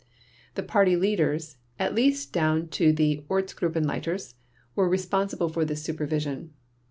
The Political Leaders, at least down to the Ortsgruppenleiters, were responsible for this supervision.